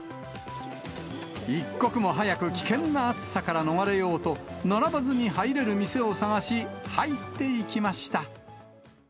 一刻も早く危険な暑さから逃れようと、並ばずに入れる店を探し、入っていきました。